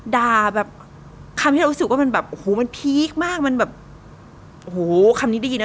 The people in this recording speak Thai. ด่าแบบคำที่เรารู้สึกว่ามันแบบโอ้โหมันพีคมากมันแบบโอ้โหคำนี้ดีนะ